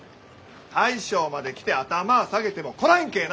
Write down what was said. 大将まで来て頭ぁ下げてもこらえんけえな！